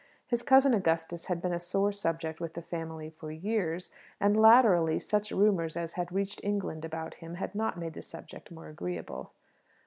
His Cousin Augustus had been a sore subject with the family for years; and latterly such rumours as had reached England about him had not made the subject more agreeable.